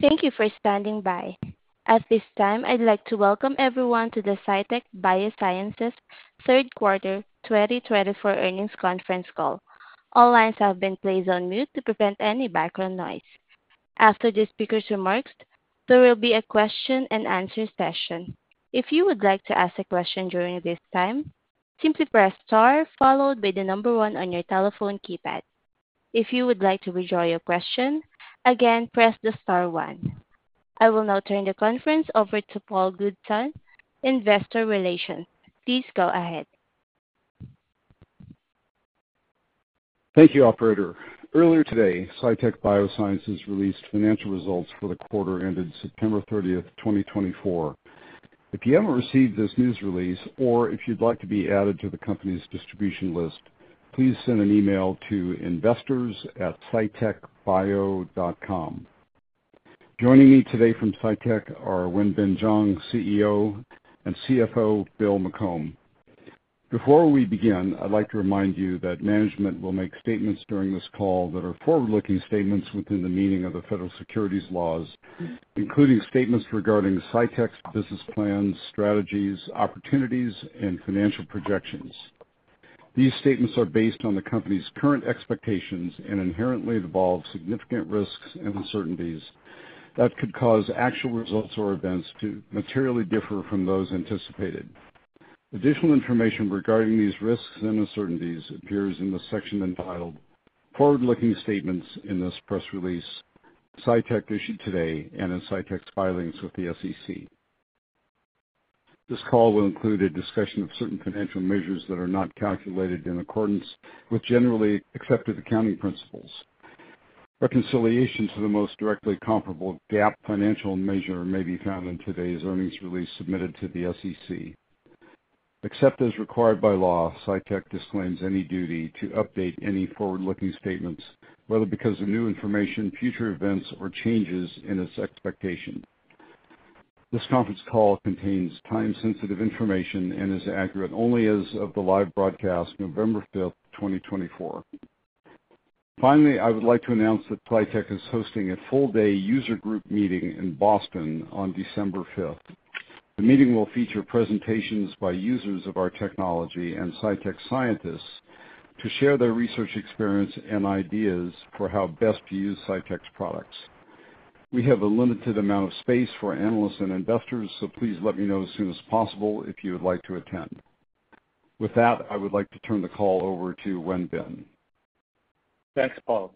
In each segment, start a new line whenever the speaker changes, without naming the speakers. Thank you for standing by. At this time, I'd like to welcome everyone to the Cytek Biosciences third quarter 2024 earnings conference call. All lines have been placed on mute to prevent any background noise. After the speaker's remarks, there will be a question and answer session. If you would like to ask a question during this time, simply press star, followed by the number one on your telephone keypad. If you would like to withdraw your question, again, press the star one. I will now turn the conference over to Paul Goodson, Investor Relations. Please go ahead.
Thank you, Operator. Earlier today, Cytek Biosciences released financial results for the quarter ended September 30, 2024. If you haven't received this news release, or if you'd like to be added to the company's distribution list, please send an email to investors@cytekbio.com. Joining me today from Cytek are Wenbin Jiang, CEO, and CFO, Bill McCombe. Before we begin, I'd like to remind you that management will make statements during this call that are forward-looking statements within the meaning of the federal securities laws, including statements regarding Cytek's business plans, strategies, opportunities, and financial projections. These statements are based on the company's current expectations and inherently involve significant risks and uncertainties that could cause actual results or events to materially differ from those anticipated. Additional information regarding these risks and uncertainties appears in the section entitled Forward-Looking Statements in this Press Release, Cytek issued today, and in Cytek's Filings with the SEC. This call will include a discussion of certain financial measures that are not calculated in accordance with generally accepted accounting principles. Reconciliation to the most directly comparable GAAP financial measure may be found in today's earnings release submitted to the SEC. Except as required by law, Cytek disclaims any duty to update any forward-looking statements, whether because of new information, future events, or changes in its expectations. This conference call contains time-sensitive information and is accurate only as of the live broadcast, November 5, 2024. Finally, I would like to announce that Cytek is hosting a full-day user group meeting in Boston on December 5. The meeting will feature presentations by users of our technology and Cytek scientists to share their research experience and ideas for how best to use Cytek's products. We have a limited amount of space for analysts and investors, so please let me know as soon as possible if you would like to attend. With that, I would like to turn the call over to Wenbin.
Thanks, Paul.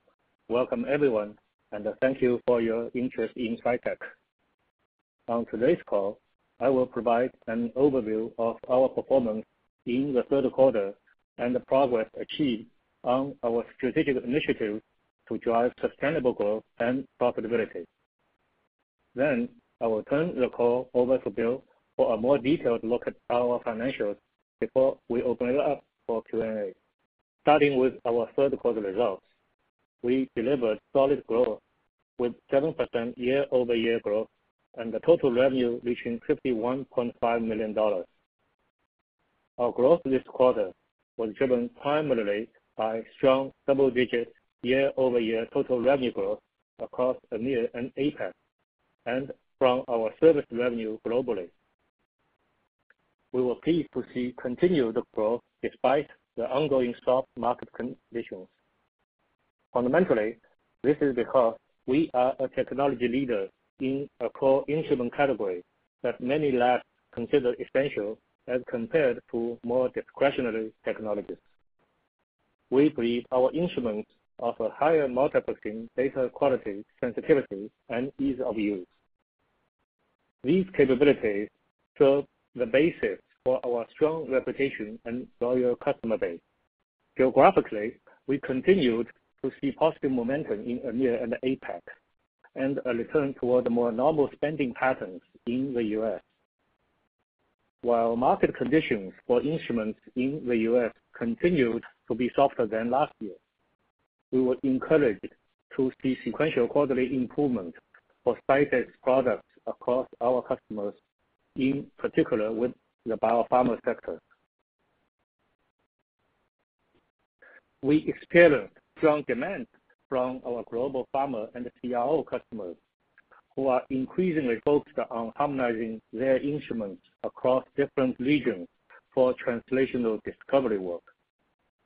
Welcome, everyone, and thank you for your interest in Cytek. On today's call, I will provide an overview of our performance in the third quarter and the progress achieved on our strategic initiative to drive sustainable growth and profitability. Then I will turn the call over to Bill for a more detailed look at our financials before we open it up for Q&A. Starting with our third quarter results, we delivered solid growth with 7% year-over-year growth and a total revenue reaching $51.5 million. Our growth this quarter was driven primarily by strong double-digit year-over-year total revenue growth across North America and APAC and from our service revenue globally. We were pleased to see continued growth despite the ongoing soft market conditions. Fundamentally, this is because we are a technology leader in a core instrument category that many labs consider essential as compared to more discretionary technologies. We believe our instruments offer higher multiplexing data quality, sensitivity, and ease of use. These capabilities serve the basis for our strong reputation and loyal customer base. Geographically, we continued to see positive momentum in EMEA and APAC and a return toward the more normal spending patterns in the U.S. While market conditions for instruments in the U.S. continued to be softer than last year, we were encouraged to see sequential quarterly improvement for Cytek's products across our customers, in particular with the biopharma sector. We experienced strong demand from our global pharma and CRO customers who are increasingly focused on harmonizing their instruments across different regions for translational discovery work,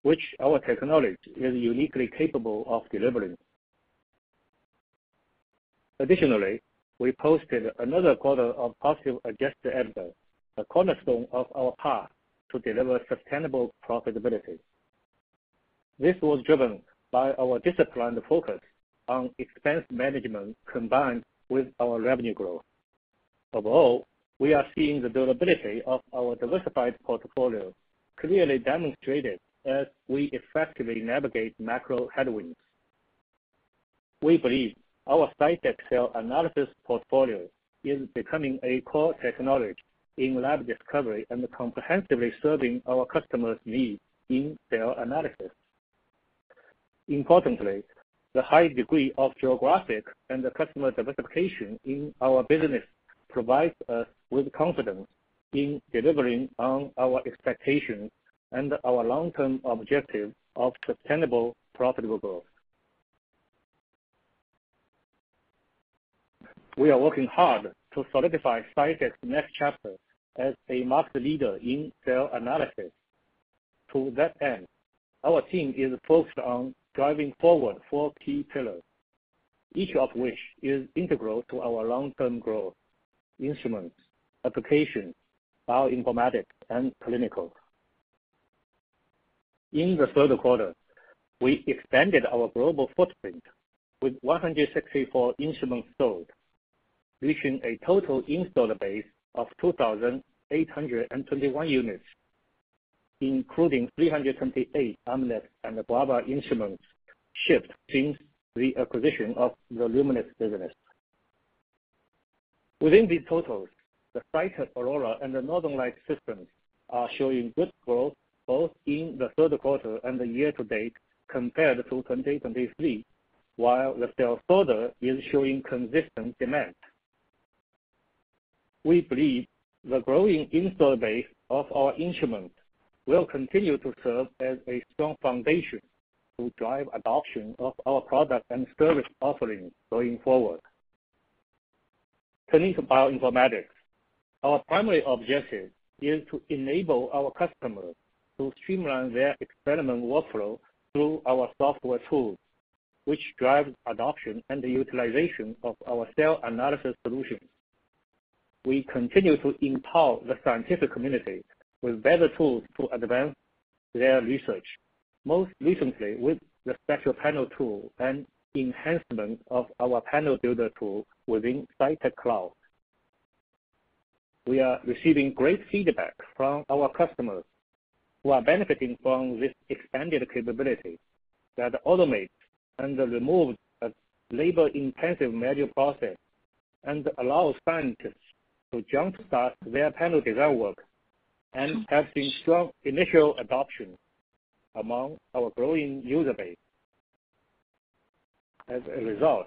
which our technology is uniquely capable of delivering. Additionally, we posted another quarter of positive adjusted EBITDA, a cornerstone of our path to deliver sustainable profitability. This was driven by our disciplined focus on expense management combined with our revenue growth. Overall, we are seeing the durability of our diversified portfolio clearly demonstrated as we effectively navigate macro headwinds. We believe our Cytek analysis portfolio is becoming a core technology in lab discovery and comprehensively serving our customers' needs in cell analysis. Importantly, the high degree of geographic and customer diversification in our business provides us with confidence in delivering on our expectations and our long-term objective of sustainable profitable growth. We are working hard to solidify Cytek's next chapter as a market leader in cell analysis. To that end, our team is focused on driving forward four key pillars, each of which is integral to our long-term growth: instruments, applications, bioinformatics, and clinicals. In the third quarter, we expanded our global footprint with 164 instruments sold, reaching a total installed base of 2,821 units, including 328 Amnis and Guava instruments shipped since the acquisition of the Luminex business. Within these totals, the Cytek Aurora and the Northern Lights systems are showing good growth both in the third quarter and the year to date compared to 2023, while the cell sorter is showing consistent demand. We believe the growing installed base of our instruments will continue to serve as a strong foundation to drive adoption of our product and service offerings going forward. Turning to bioinformatics, our primary objective is to enable our customers to streamline their experiment workflow through our software tools, which drives adoption and utilization of our cell analysis solutions. We continue to empower the scientific community with better tools to advance their research, most recently with the Spectral Panel tool and enhancement of our Panel Builder tool within Cytek Cloud. We are receiving great feedback from our customers who are benefiting from this expanded capability that automates and removes a labor-intensive manual process and allows scientists to jump-start their panel design work and has seen strong initial adoption among our growing user base. As a result,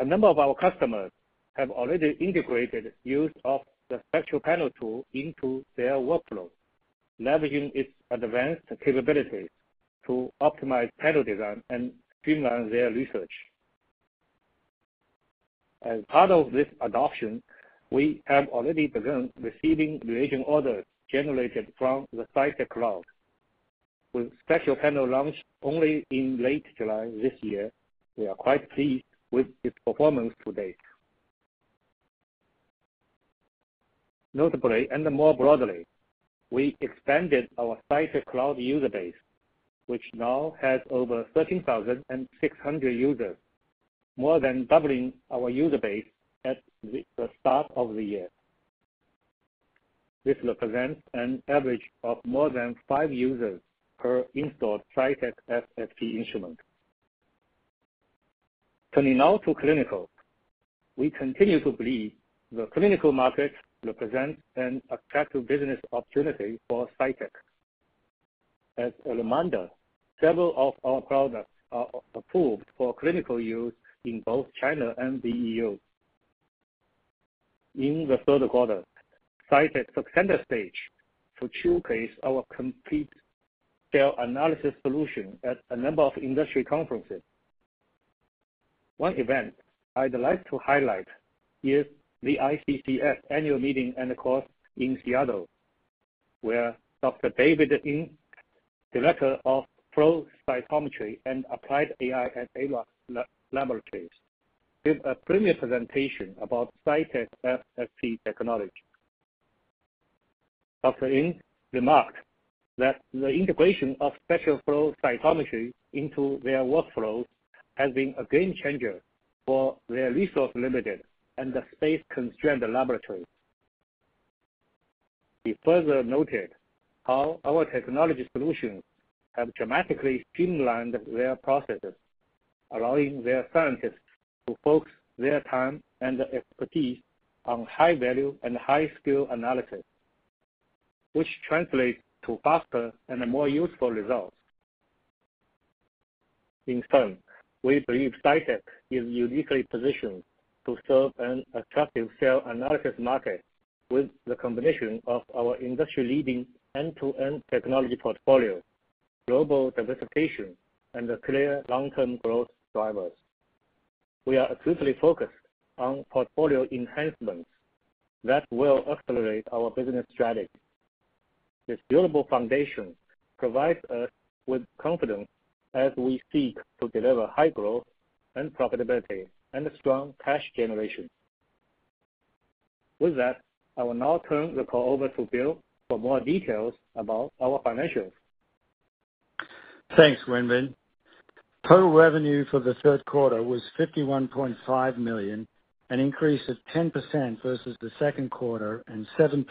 a number of our customers have already integrated the use of the Spectral Panel tool into their workflow, leveraging its advanced capabilities to optimize panel design and streamline their research. As part of this adoption, we have already begun receiving reagent orders generated from the Cytek Cloud. With Spectral Panel launched only in late July this year, we are quite pleased with its performance to date. Notably, and more broadly, we expanded our Cytek Cloud user base, which now has over 13,600 users, more than doubling our user base at the start of the year. This represents an average of more than five users per installed Cytek FSP instrument. Turning now to clinical, we continue to believe the clinical market represents an attractive business opportunity for Cytek. As a reminder, several of our products are approved for clinical use in both China and the EU. In the third quarter, Cytek took center stage to showcase our complete cell analysis solution at a number of industry conferences. One event I'd like to highlight is the ICCS annual meeting and course in Seattle, where Dr. David Ng, Director of Flow Cytometry and Applied AI at AlloVir, gave a premier presentation about Cytek FSP technology. Dr. Ng remarked that the integration of spectral flow cytometry into their workflows has been a game changer for their resource-limited and space-constrained laboratories. He further noted how our technology solutions have dramatically streamlined their processes, allowing their scientists to focus their time and expertise on high-value and high-skill analysis, which translates to faster and more useful results. In turn, we believe Cytek is uniquely positioned to serve an attractive cell analysis market with the combination of our industry-leading end-to-end technology portfolio, global diversification, and clear long-term growth drivers. We are acutely focused on portfolio enhancements that will accelerate our business strategy. This durable foundation provides us with confidence as we seek to deliver high growth and profitability and strong cash generation. With that, I will now turn the call over to Bill for more details about our financials.
Thanks, Wenbin. Total revenue for the third quarter was $51.5 million, an increase of 10% versus the second quarter and 7%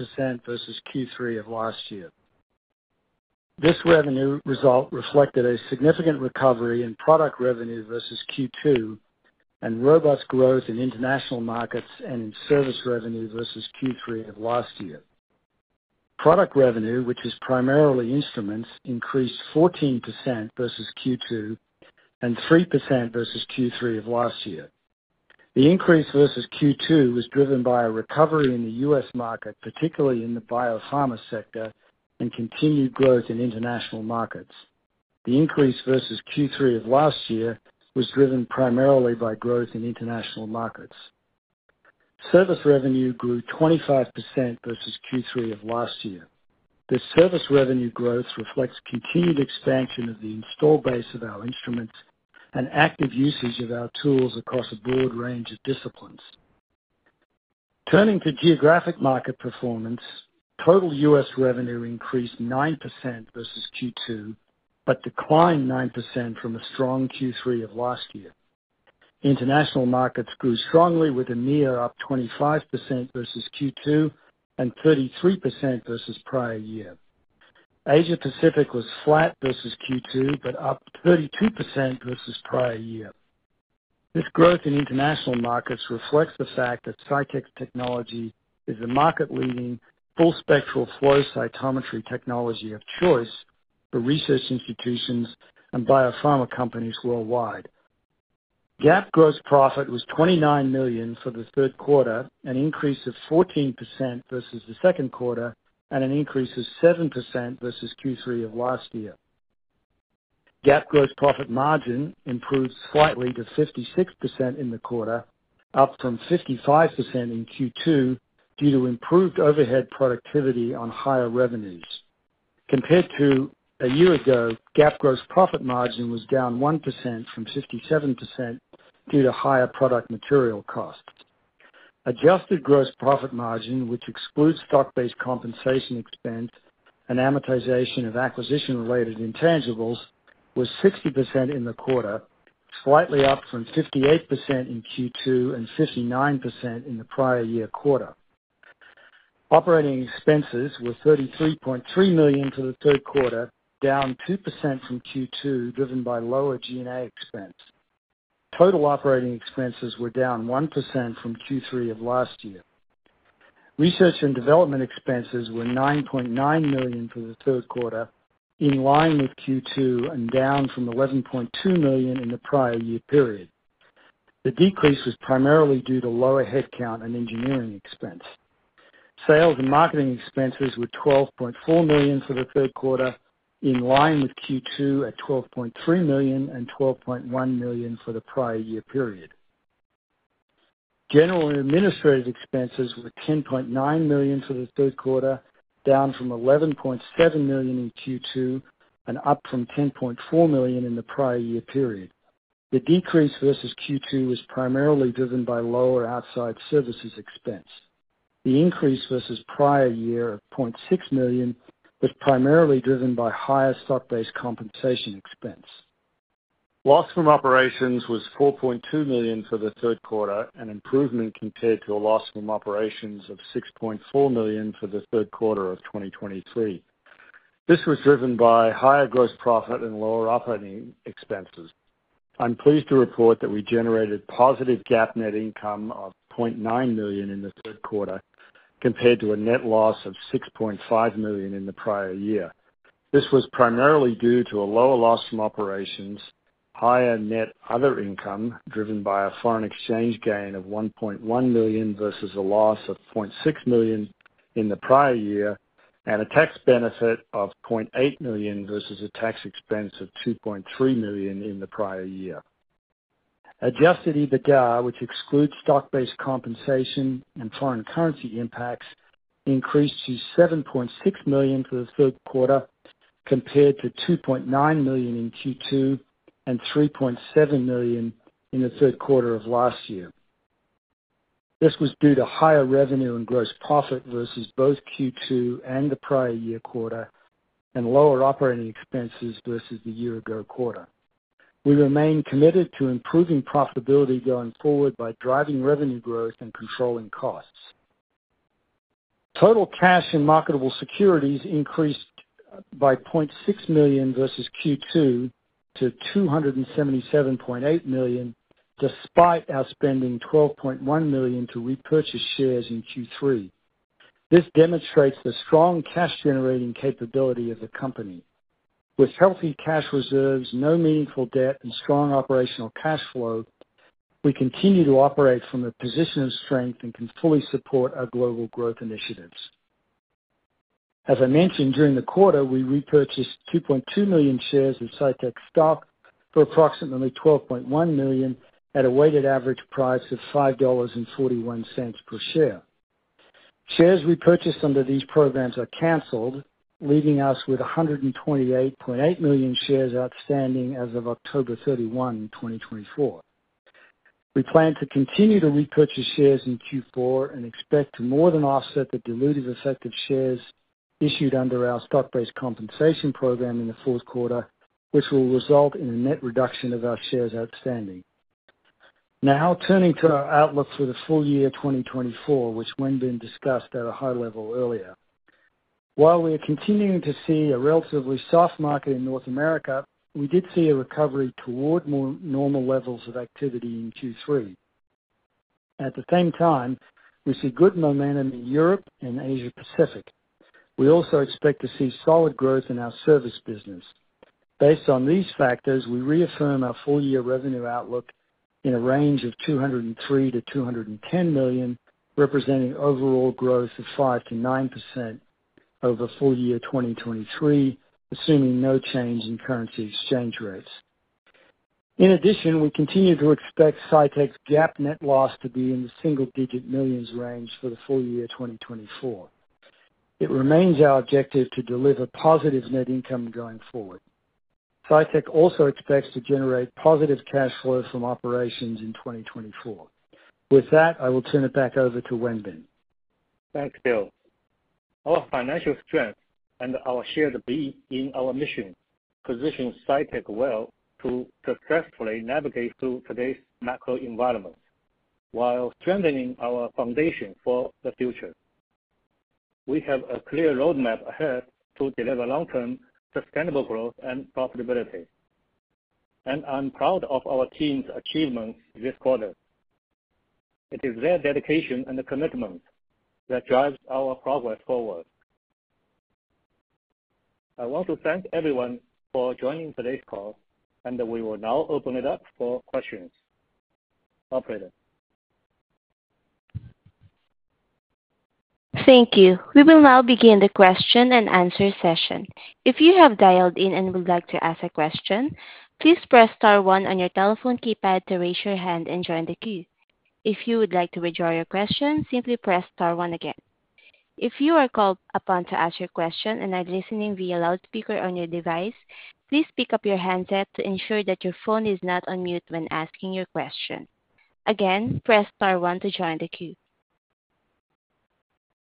versus Q3 of last year. This revenue result reflected a significant recovery in product revenue versus Q2 and robust growth in international markets and in service revenue versus Q3 of last year. Product revenue, which is primarily instruments, increased 14% versus Q2 and 3% versus Q3 of last year. The increase versus Q2 was driven by a recovery in the U.S. market, particularly in the biopharma sector, and continued growth in international markets. The increase versus Q3 of last year was driven primarily by growth in international markets. Service revenue grew 25% versus Q3 of last year. This service revenue growth reflects continued expansion of the installed base of our instruments and active usage of our tools across a broad range of disciplines. Turning to geographic market performance, total U.S. revenue increased 9% versus Q2 but declined 9% from a strong Q3 of last year. International markets grew strongly, with EMEA up 25% versus Q2 and 33% versus prior year. Asia-Pacific was flat versus Q2 but up 32% versus prior year. This growth in international markets reflects the fact that Cytek's technology is the market-leading full-spectrum flow cytometry technology of choice for research institutions and biopharma companies worldwide. GAAP gross profit was $29 million for the third quarter, an increase of 14% versus the second quarter, and an increase of 7% versus Q3 of last year. GAAP gross profit margin improved slightly to 56% in the quarter, up from 55% in Q2 due to improved overhead productivity on higher revenues. Compared to a year ago, GAAP gross profit margin was down 1% from 57% due to higher product material costs. Adjusted gross profit margin, which excludes stock-based compensation expense and amortization of acquisition-related intangibles, was 60% in the quarter, slightly up from 58% in Q2 and 59% in the prior year quarter. Operating expenses were $33.3 million for the third quarter, down 2% from Q2, driven by lower G&A expense. Total operating expenses were down 1% from Q3 of last year. Research and development expenses were $9.9 million for the third quarter, in line with Q2, and down from $11.2 million in the prior year period. The decrease was primarily due to lower headcount and engineering expense. Sales and marketing expenses were $12.4 million for the third quarter, in line with Q2 at $12.3 million and $12.1 million for the prior year period. General and administrative expenses were $10.9 million for the third quarter, down from $11.7 million in Q2 and up from $10.4 million in the prior year period. The decrease versus Q2 was primarily driven by lower outside services expense. The increase versus prior year of $0.6 million was primarily driven by higher stock-based compensation expense. Loss from operations was $4.2 million for the third quarter, an improvement compared to a loss from operations of $6.4 million for the third quarter of 2023. This was driven by higher gross profit and lower operating expenses. I'm pleased to report that we generated positive GAAP net income of $0.9 million in the third quarter compared to a net loss of $6.5 million in the prior year. This was primarily due to a lower loss from operations, higher net other income driven by a foreign exchange gain of $1.1 million versus a loss of $0.6 million in the prior year, and a tax benefit of $0.8 million versus a tax expense of $2.3 million in the prior year. Adjusted EBITDA, which excludes stock-based compensation and foreign currency impacts, increased to $7.6 million for the third quarter compared to $2.9 million in Q2 and $3.7 million in the third quarter of last year. This was due to higher revenue and gross profit versus both Q2 and the prior year quarter, and lower operating expenses versus the year-ago quarter. We remain committed to improving profitability going forward by driving revenue growth and controlling costs. Total cash and marketable securities increased by $0.6 million versus Q2 to $277.8 million, despite our spending $12.1 million to repurchase shares in Q3. This demonstrates the strong cash-generating capability of the company. With healthy cash reserves, no meaningful debt, and strong operational cash flow, we continue to operate from a position of strength and can fully support our global growth initiatives. As I mentioned, during the quarter, we repurchased 2.2 million shares of Cytek stock for approximately $12.1 million at a weighted average price of $5.41 per share. Shares repurchased under these programs are canceled, leaving us with 128.8 million shares outstanding as of October 31, 2024. We plan to continue to repurchase shares in Q4 and expect to more than offset the dilutive effect of shares issued under our stock-based compensation program in the fourth quarter, which will result in a net reduction of our shares outstanding. Now, turning to our outlook for the full year 2024, which Wenbin discussed at a high level earlier. While we are continuing to see a relatively soft market in North America, we did see a recovery toward more normal levels of activity in Q3. At the same time, we see good momentum in Europe and Asia-Pacific. We also expect to see solid growth in our service business. Based on these factors, we reaffirm our full-year revenue outlook in a range of $203 million to $210 million, representing overall growth of 5% to 9% over full year 2023, assuming no change in currency exchange rates. In addition, we continue to expect Cytek's GAAP net loss to be in the single-digit millions range for the full year 2024. It remains our objective to deliver positive net income going forward. Cytek also expects to generate positive cash flow from operations in 2024. With that, I will turn it back over to Wenbin.
Thanks, Bill. Our financial strength and our shared belief in our mission position Cytek well to successfully navigate through today's macro environment while strengthening our foundation for the future. We have a clear roadmap ahead to deliver long-term sustainable growth and profitability, and I'm proud of our team's achievements this quarter. It is their dedication and commitment that drives our progress forward. I want to thank everyone for joining today's call, and we will now open it up for questions. Operator.
Thank you. We will now begin the question and answer session. If you have dialed in and would like to ask a question, please press star one on your telephone keypad to raise your hand and join the queue. If you would like to withdraw your question, simply press star one again. If you are called upon to ask your question and are listening via loudspeaker on your device, please pick up your handset to ensure that your phone is not on mute when asking your question. Again, press star one to join the queue.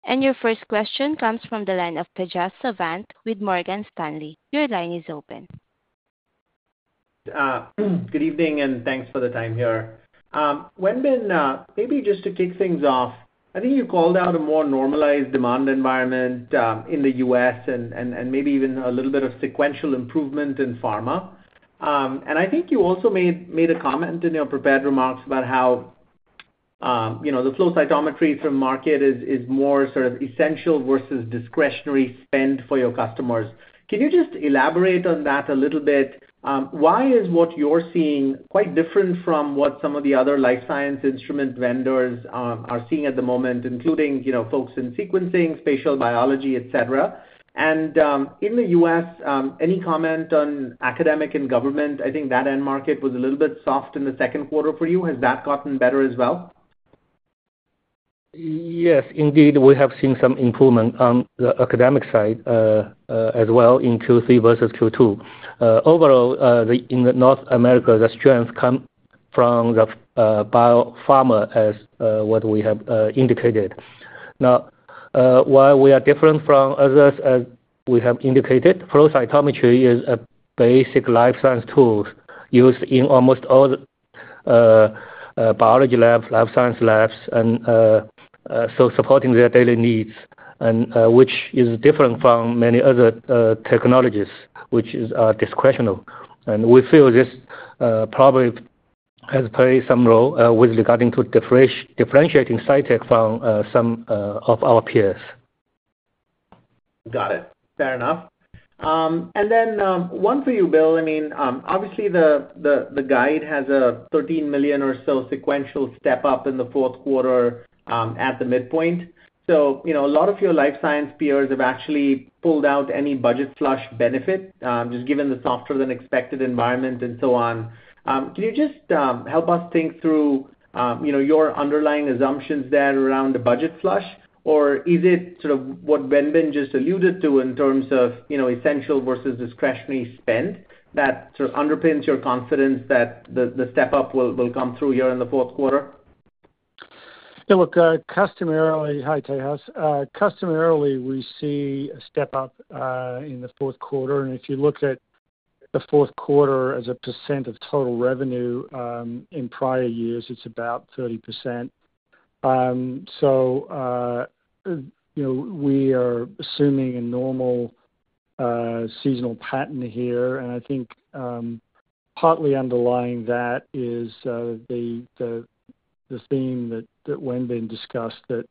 And your first question comes from the line of Tejas Savant with Morgan Stanley. Your line is open.
Good evening and thanks for the time here. Wenbin, maybe just to kick things off, I think you called out a more normalized demand environment in the U.S. and maybe even a little bit of sequential improvement in pharma, and I think you also made a comment in your prepared remarks about how the flow cytometry market is more sort of essential versus discretionary spend for your customers. Can you just elaborate on that a little bit? Why is what you're seeing quite different from what some of the other life science instrument vendors are seeing at the moment, including folks in sequencing, spatial biology, etc.? In the U.S., any comment on academic and government? I think that end market was a little bit soft in the second quarter for you. Has that gotten better as well?
Yes, indeed. We have seen some improvement on the academic side as well in Q3 versus Q2. Overall, in North America, the strength comes from the biopharma as what we have indicated. Now, while we are different from others, as we have indicated, flow cytometry is a basic life science tool used in almost all biology labs, life science labs, and so supporting their daily needs, which is different from many other technologies, which are discretionary. And we feel this probably has played some role with regard to differentiating Cytek from some of our peers.
Got it. Fair enough. And then one for you, Bill. I mean, obviously, the guide has a $13 million or so sequential step-up in the fourth quarter at the midpoint. So a lot of your life science peers have actually pulled out any budget flush benefit, just given the softer-than-expected environment and so on. Can you just help us think through your underlying assumptions there around the budget flush, or is it sort of what Wenbin just alluded to in terms of essential versus discretionary spend that sort of underpins your confidence that the step-up will come through here in the fourth quarter?
Yeah. Look, customarily. Hi, Tejas. Customarily, we see a step-up in the fourth quarter. And if you look at the fourth quarter as a percent of total revenue in prior years, it's about 30%. So we are assuming a normal seasonal pattern here. And I think partly underlying that is the theme that Wenbin discussed, that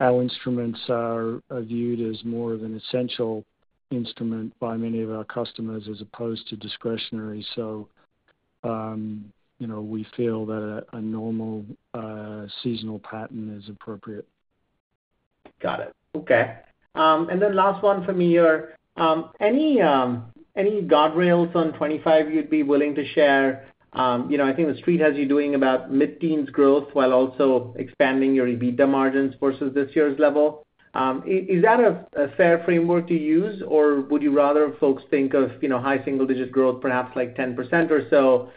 our instruments are viewed as more of an essential instrument by many of our customers as opposed to discretionary. So we feel that a normal seasonal pattern is appropriate.
Got it. Okay. And then last one from here. Any guardrails on 2025 you'd be willing to share? I think the street has you doing about mid-teens growth while also expanding your EBITDA margins versus this year's level. Is that a fair framework to use, or would you rather folks think of high single-digit growth, perhaps like 10% or so?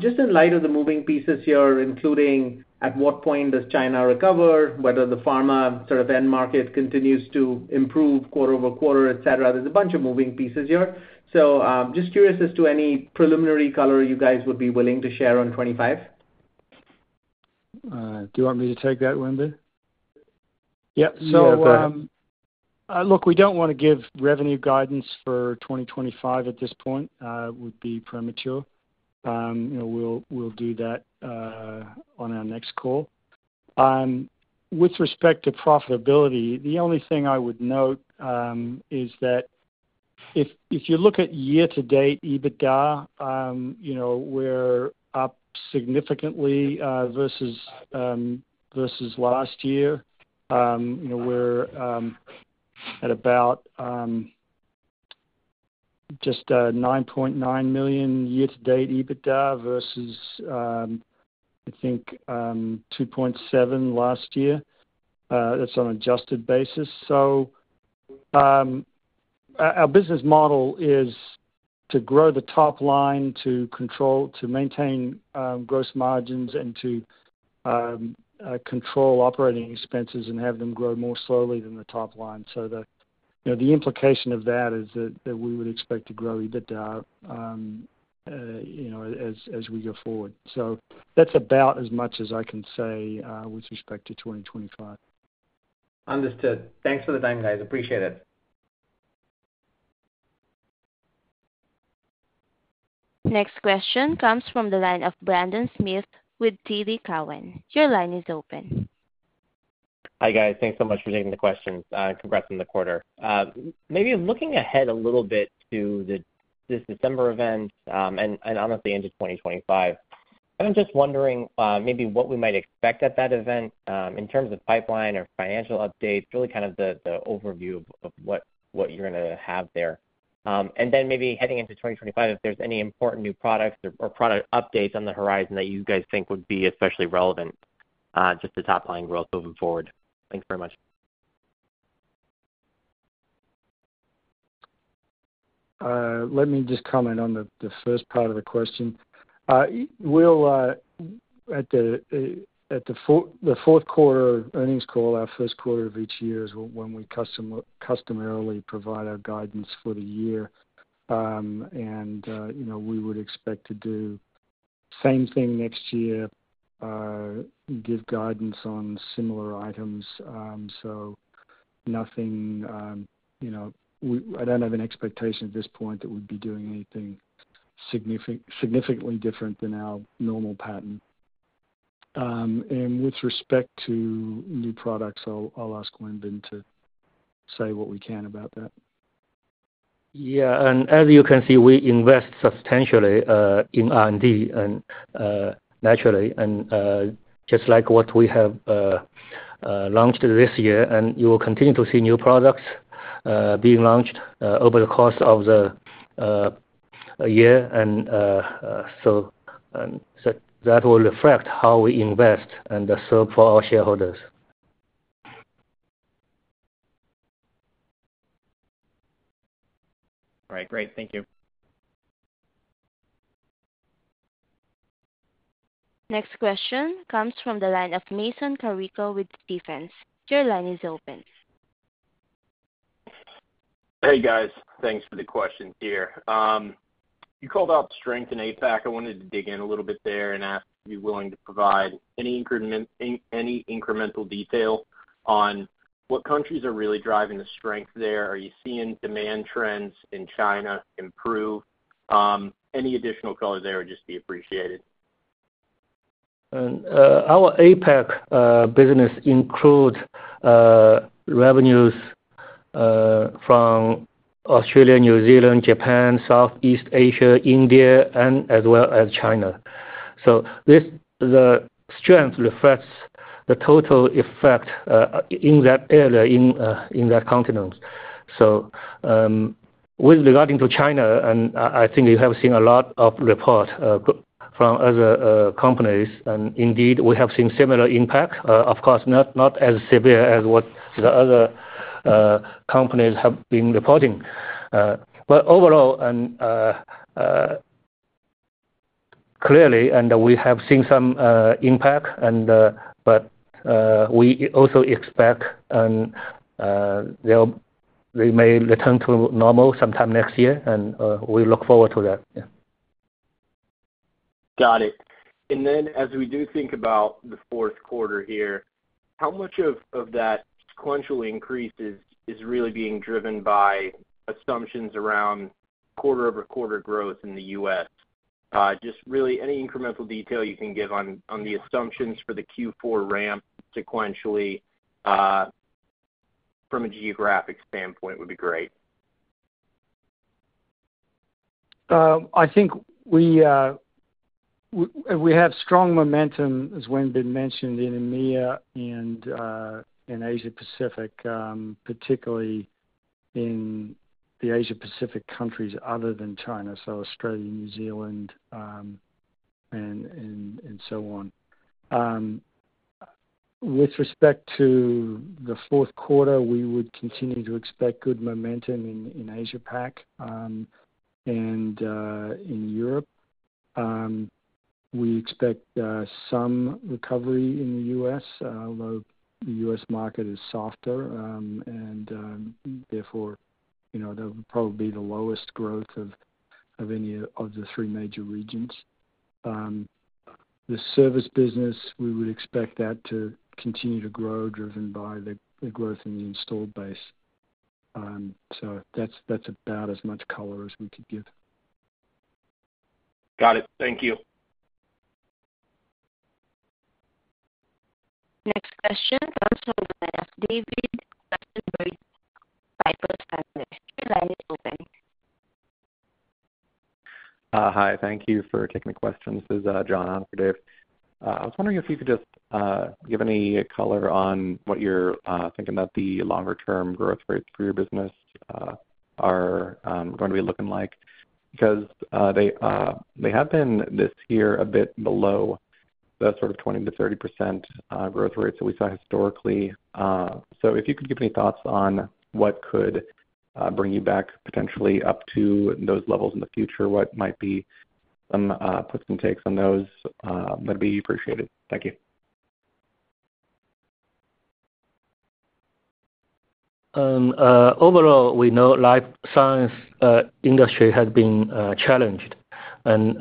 Just in light of the moving pieces here, including at what point does China recover, whether the pharma sort of end market continues to improve quarter over quarter, etc. There's a bunch of moving pieces here. So just curious as to any preliminary color you guys would be willing to share on 2025?
Do you want me to take that, Wenbin?
Yeah.
So look, we don't want to give revenue guidance for 2025 at this point. It would be premature. We'll do that on our next call. With respect to profitability, the only thing I would note is that if you look at year-to-date EBITDA, we're up significantly versus last year. We're at about just $9.9 million year-to-date EBITDA versus, I think, $2.7 million last year. That's on an adjusted basis. So our business model is to grow the top line to maintain gross margins, and to control operating expenses and have them grow more slowly than the top line. So the implication of that is that we would expect to grow EBITDA as we go forward. So that's about as much as I can say with respect to 2025.
Understood. Thanks for the time, guys. Appreciate it.
Next question comes from the line of Brendan Smith with TD Cowen. Your line is open.
Hi, guys. Thanks so much for taking the questions. Congrats on the quarter. Maybe looking ahead a little bit to this December event and honestly into 2025, I'm just wondering maybe what we might expect at that event in terms of pipeline or financial updates, really kind of the overview of what you're going to have there. And then maybe heading into 2025, if there's any important new products or product updates on the horizon that you guys think would be especially relevant just to top line growth moving forward. Thanks very much.
Let me just comment on the first part of the question. At the fourth quarter earnings call, our first quarter of each year is when we customarily provide our guidance for the year, and we would expect to do the same thing next year, give guidance on similar items, so nothing. I don't have an expectation at this point that we'd be doing anything significantly different than our normal pattern, and with respect to new products, I'll ask Wenbin to say what we can about that. Yeah, and as you can see, we invest substantially in R&D naturally, and just like what we have launched this year, and you will continue to see new products being launched over the course of the year, and so that will reflect how we invest and serve for our shareholders.
All right. Great. Thank you.
Next question comes from the line of Mason Carico with Stephens. Your line is open.
Hey, guys. Thanks for the question here. You called out strength in APAC. I wanted to dig in a little bit there and ask if you'd be willing to provide any incremental detail on what countries are really driving the strength there. Are you seeing demand trends in China improve? Any additional color there would just be appreciated.
Our APAC business includes revenues from Australia, New Zealand, Japan, Southeast Asia, India, and as well as China. So the strength reflects the total effect in that area, in that continent. So with regard to China, and I think you have seen a lot of reports from other companies. And indeed, we have seen similar impact. Of course, not as severe as what the other companies have been reporting. But overall, and clearly, we have seen some impact, but we also expect they may return to normal sometime next year. And we look forward to that.
Got it, and then as we do think about the fourth quarter here, how much of that sequential increase is really being driven by assumptions around quarter-over-quarter growth in the U.S.? Just really any incremental detail you can give on the assumptions for the Q4 ramp sequentially from a geographic standpoint would be great.
I think we have strong momentum, as Wenbin mentioned, in EMEA and Asia-Pacific, particularly in the Asia-Pacific countries other than China. So Australia, New Zealand, and so on. With respect to the fourth quarter, we would continue to expect good momentum in Asia-Pac and in Europe. We expect some recovery in the U.S., although the U.S. market is softer, and therefore there will probably be the lowest growth of any of the three major regions. The service business, we would expect that to continue to grow, driven by the growth in the installed base. So that's about as much color as we could give.
Got it. Thank you.
Next question comes from David Westenberg with Piper Sandler. Your line is open.
Hi. Thank you for taking the question. This is John. I was wondering if you could just give any color on what you're thinking that the longer-term growth rates for your business are going to be looking like? Because they have been this year a bit below the sort of 20% to 30% growth rates that we saw historically. So if you could give any thoughts on what could bring you back potentially up to those levels in the future, what might be some puts and takes on those, that'd be appreciated. Thank you.
Overall, we know life science industry has been challenged and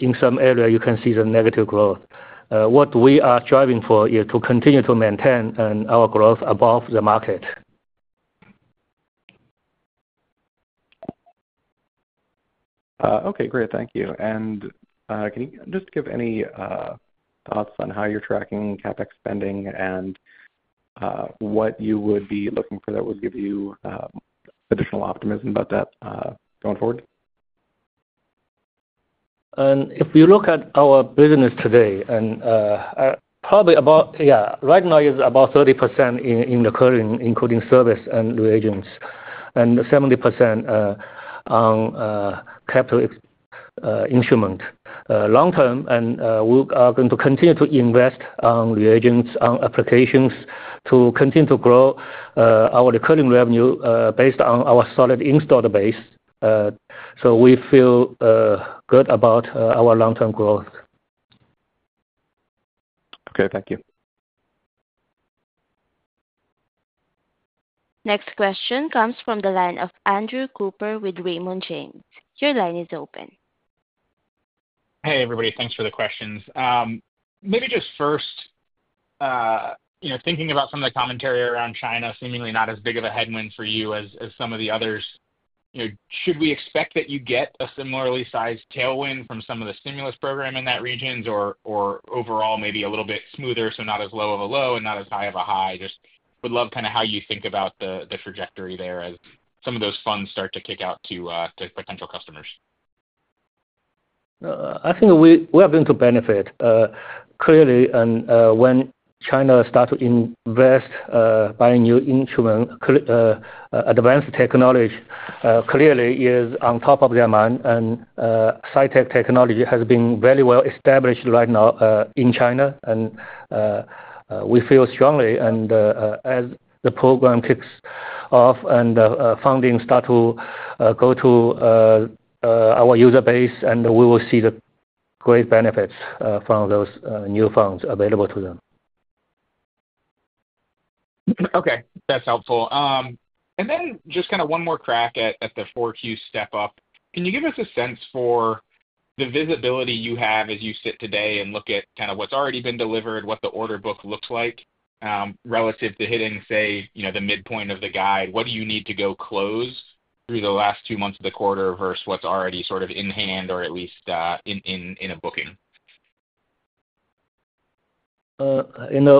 in some areas, you can see the negative growth. What we are striving for is to continue to maintain our growth above the market.
Okay. Great. Thank you. And can you just give any thoughts on how you're tracking CapEx spending and what you would be looking for that would give you additional optimism about that going forward?
If you look at our business today, and probably about, yeah, right now it's about 30% in recurring, including service and reagents, and 70% on capital instrument. Long-term, and we are going to continue to invest on reagents, on applications to continue to grow our recurring revenue based on our solid installed base. So we feel good about our long-term growth.
Okay. Thank you.
Next question comes from the line of Andrew Cooper with Raymond James. Your line is open.
Hey, everybody. Thanks for the questions. Maybe just first, thinking about some of the commentary around China, seemingly not as big of a headwind for you as some of the others, should we expect that you get a similarly sized tailwind from some of the stimulus program in that region, or overall maybe a little bit smoother, so not as low of a low and not as high of a high? Just would love kind of how you think about the trajectory there as some of those funds start to kick out to potential customers?
I think we are going to benefit. Clearly, when China starts to invest buying new instruments, advanced technology clearly is on top of their mind, and Cytek technology has been very well established right now in China, and we feel strongly that as the program kicks off and funding starts to go to our user base, we will see the great benefits from those new funds available to them.
Okay. That's helpful. And then just kind of one more crack at the 4Q step-up. Can you give us a sense for the visibility you have as you sit today and look at kind of what's already been delivered, what the order book looks like relative to hitting, say, the midpoint of the guide? What do you need to go close through the last two months of the quarter versus what's already sort of in hand or at least in a booking?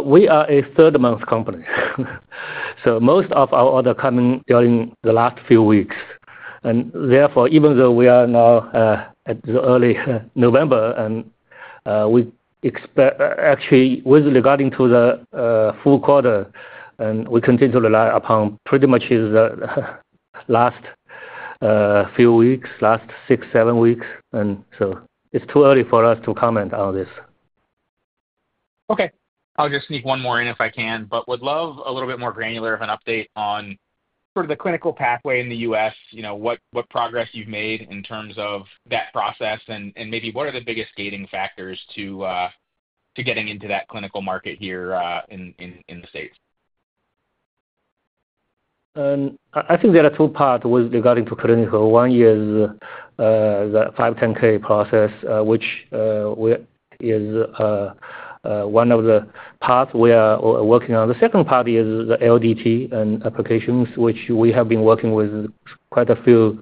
We are a third-month company, so most of our order coming during the last few weeks, and therefore, even though we are now at the early November, and we expect actually with regarding to the full quarter, we continue to rely upon pretty much the last few weeks, last six, seven weeks, and so it's too early for us to comment on this.
Okay. I'll just sneak one more in if I can, but would love a little bit more granular of an update on sort of the clinical pathway in the U.S., what progress you've made in terms of that process, and maybe what are the biggest gating factors to getting into that clinical market here in the States?
I think there are two parts with regarding to clinical. One is the 510(k) process, which is one of the parts we are working on. The second part is the LDT and applications, which we have been working with quite a few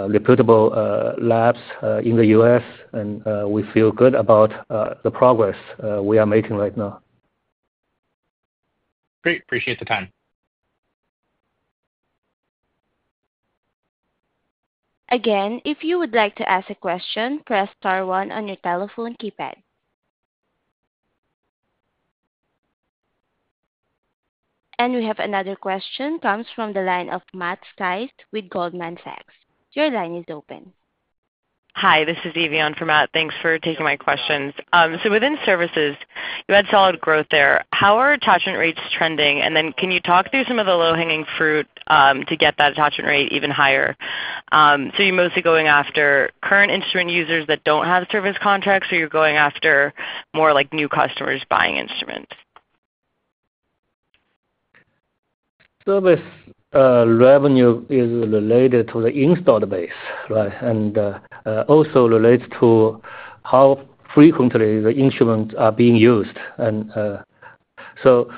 reputable labs in the U.S., and we feel good about the progress we are making right now.
Great. Appreciate the time.
Again, if you would like to ask a question, press star one on your telephone keypad. And we have another question comes from the line of Matt Sykes with Goldman Sachs. Your line is open.
Hi. This is Evian from Matt. Thanks for taking my questions. So within services, you had solid growth there. How are attachment rates trending? And then can you talk through some of the low-hanging fruit to get that attachment rate even higher? So you're mostly going after current instrument users that don't have service contracts, or you're going after more like new customers buying instruments?
Service revenue is related to the installed base, right? And also relates to how frequently the instruments are being used. And so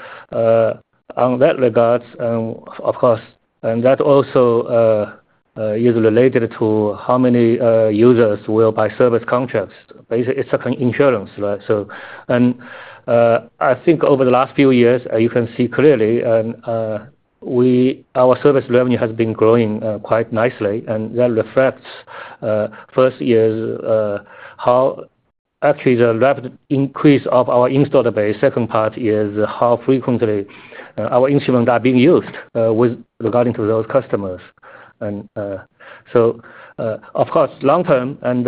on that regards, of course, and that also is related to how many users will buy service contracts. Basically, it's like an insurance, right? And I think over the last few years, you can see clearly our service revenue has been growing quite nicely. And that reflects first is how actually the rapid increase of our installed base, second part is how frequently our instruments are being used with regarding to those customers. And so of course, long-term, and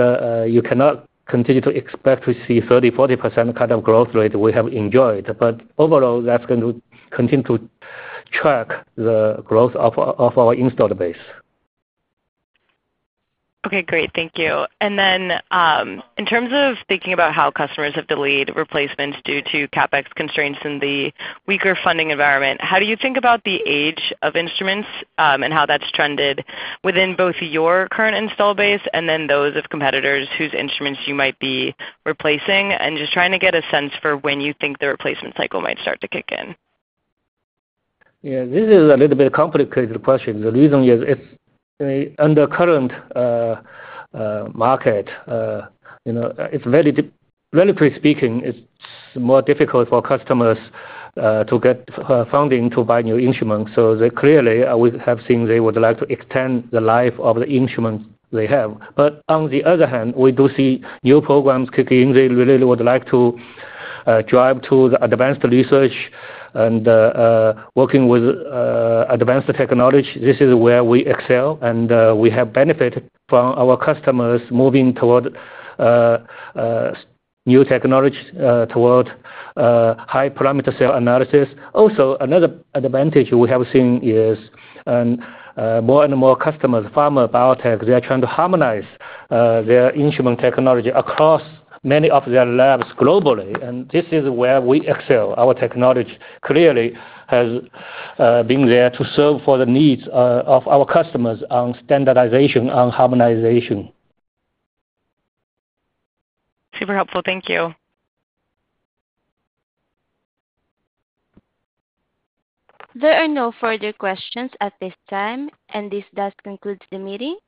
you cannot continue to expect to see 30% to 40% kind of growth rate we have enjoyed. But overall, that's going to continue to track the growth of our installed base.
Okay. Great. Thank you. And then in terms of thinking about how customers have delayed replacements due to CapEx constraints in the weaker funding environment, how do you think about the age of instruments and how that's trended within both your current installed base and then those of competitors whose instruments you might be replacing? And just trying to get a sense for when you think the replacement cycle might start to kick in.
Yeah. This is a little bit complicated question. The reason is under current market, relatively speaking, it's more difficult for customers to get funding to buy new instruments. So clearly, we have seen they would like to extend the life of the instruments they have. But on the other hand, we do see new programs kicking in. They really would like to drive to the advanced research and working with advanced technology. This is where we excel. And we have benefited from our customers moving toward new technology, toward high parameter cell analysis. Also, another advantage we have seen is more and more customers, pharma biotech, they're trying to harmonize their instrument technology across many of their labs globally. And this is where we excel. Our technology clearly has been there to serve for the needs of our customers on standardization, on harmonization.
Super helpful. Thank you.
There are no further questions at this time, and this does conclude the meeting.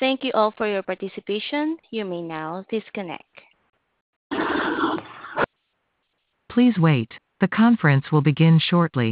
Thank you all for your participation. You may now disconnect.
Please wait. The conference will begin shortly.